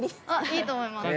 いいと思います。